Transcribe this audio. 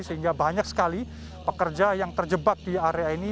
sehingga banyak sekali pekerja yang terjebak di area ini